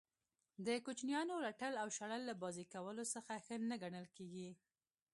د کوچنیانو رټل او شړل له بازئ کولو څخه ښه نه ګڼل کیږي.